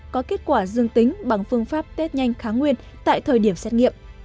có kết quả dương tính bằng phương pháp test nhanh kháng nguyên tại thời điểm xét nghiệm